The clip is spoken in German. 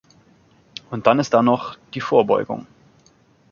Und dann ist da noch die Vorbeugung.